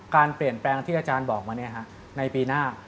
การเปลี่ยนแปลงที่อาจารย์บอกมาในปีหน้า